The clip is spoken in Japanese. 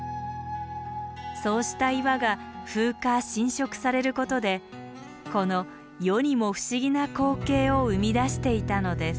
そうした岩が風化・浸食されることでこの世にも不思議な光景を生み出していたのです。